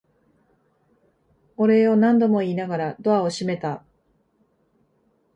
お礼を何度も言いながらドアを閉めた。